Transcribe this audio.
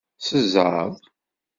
S zzeɛḍ!